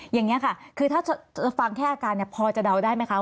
อย่างนี้ค่ะคือถ้าฟังแค่อาการพอจะเดาได้ไหมคะ